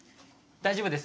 大丈夫です。